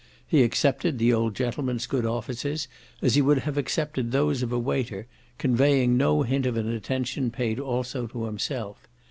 He accepted the old gentleman's good offices as he would have accepted those of a waiter, conveying no hint of an attention paid also to himself.